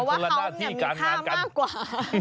พอว่าเค้ามีค่ามากกว่า